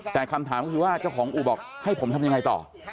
แต่คำถามก็คือว่าเจ้าของอู่บอกให้ผมทำยังไงต่อ